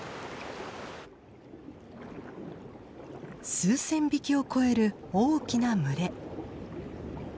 数千匹を超える大きな群れ。